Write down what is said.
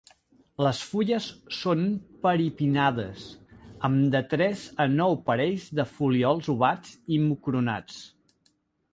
Les fulles són paripinnades, amb de tres a nou parells de folíols ovats i mucronats.